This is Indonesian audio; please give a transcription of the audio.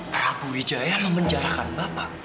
prabu wijaya memenjarakan bapak